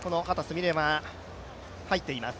美鈴は入っています